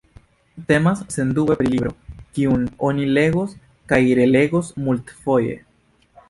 Temas sendube pri libro, kiun oni legos kaj relegos multfoje.